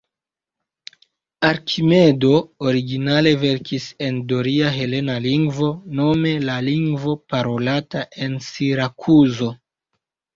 Arkimedo originale verkis en doria helena lingvo, nome la lingvo parolata en Sirakuzo.